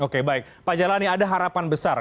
oke baik pak ajay ladi ada harapan besar